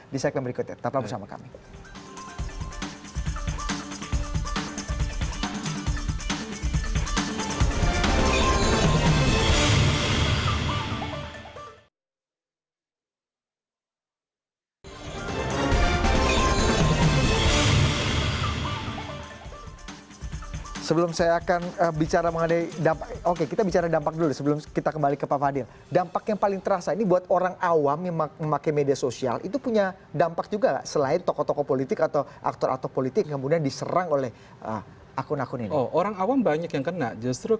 di segmen berikutnya tepatlah bersama kami